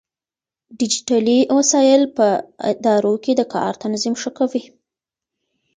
ډيجيټلي وسايل په ادارو کې د کار تنظيم ښه کوي.